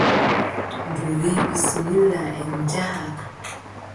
Ndu wiʼi : bisimilla en njaha.